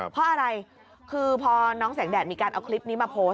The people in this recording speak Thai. เพราะอะไรคือพอน้องแสงแดดมีการเอาคลิปนี้มาโพสต์